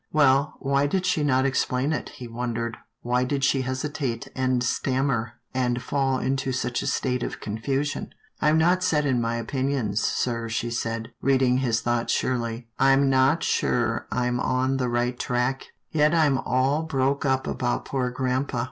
Well, why did she not explain it, he wondered. Why did she hesitate, and stammer, and fall into such a state of confusion? " I'm not set in my opinions, sir," she said, read ing his thoughts surely, " I'm not sure I'm on the right track, yet I'm all broke up about poor grampa.